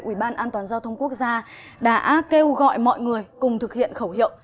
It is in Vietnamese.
ủy ban an toàn giao thông quốc gia đã kêu gọi mọi người cùng thực hiện khẩu hiệu